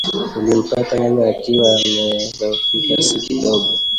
Nilimpata nyanya akiwa amedhoofika si kidogo